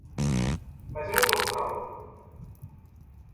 Mas eu não estou com calor.